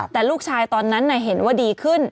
แต่ลูกชายตอนนั้นเห็นว่าดีขึ้น